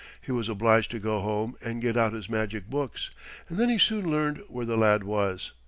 He was obliged to go home and get out his magic books, and then he soon learned where the lad was.